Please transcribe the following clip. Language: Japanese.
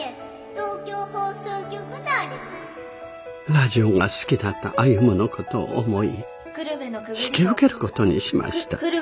ラジオが好きだった歩の事を思い引き受ける事にしました。